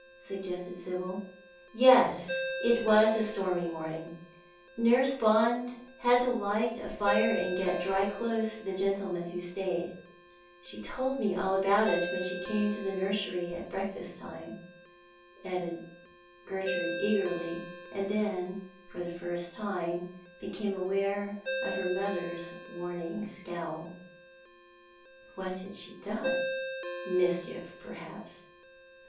" suggested Sibyl. " Yes, it was a stormy morning, Nurse Bond had to light a fire and get dry clothes for the gentleman who stayed — she told me all about it when she came to the nursery at breakfast time," added Gertrude eagerly, and then for the first time became aware of her mother's warning scowl. What had she done? Mischief, perhaps.